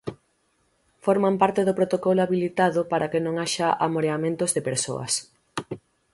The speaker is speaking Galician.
Forman parte do protocolo habilitado para que non haxa amoreamentos de persoas.